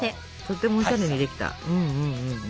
とってもおしゃれにできた。